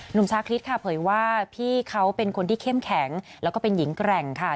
ชาคริสค่ะเผยว่าพี่เขาเป็นคนที่เข้มแข็งแล้วก็เป็นหญิงแกร่งค่ะ